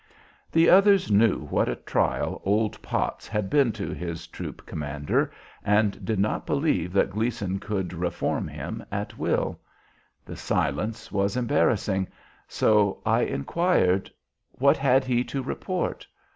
The others knew what a trial "old Potts" had been to his troop commander, and did not believe that Gleason could "reform" him at will. The silence was embarrassing, so I inquired, "What had he to report?"